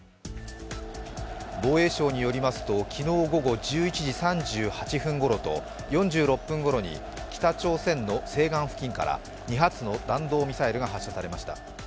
防衛省によりますと、昨日午後１１時３８分ごろと４６分ごろに、北朝鮮の西岸付近から２発の弾道ミサイルが発射されました。